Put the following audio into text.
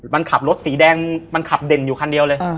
มันขับรถสีแดงมันขับเด่นอยู่คันเดียวเลย